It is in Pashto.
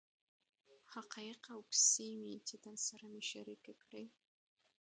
حقایق او کیسې وې چې درسره مې شریکې کړې.